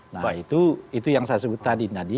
nah itu yang saya sebut tadi